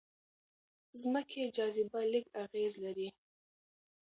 ځمکې جاذبه لږ اغېز لري.